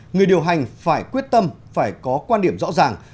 người điều hành phải quyết tâm phải có quan điểm rõ ràng